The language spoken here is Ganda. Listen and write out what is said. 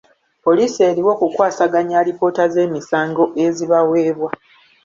Poliisi eriwo kukwasaganya alipoota z'emisango ezibaweebwa.